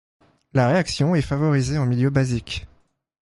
La réaction est favorisée en milieu basique.